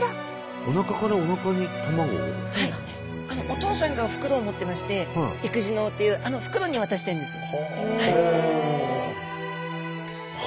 お父さんが袋を持ってまして育児嚢というあの袋に渡してるんです。